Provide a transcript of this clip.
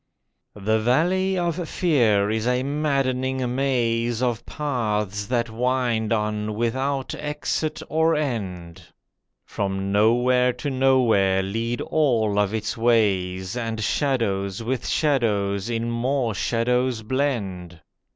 The Valley of Fear is a maddening maze Of paths that wind on without exit or end, From nowhere to nowhere lead all of its ways, And shadows with shadows in more shadows blend.